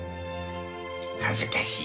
恥ずかしいよ。